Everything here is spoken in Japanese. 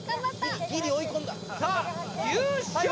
ギリギリ追い込んださあ優勝は？